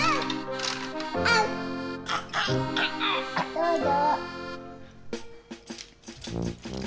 どうぞ。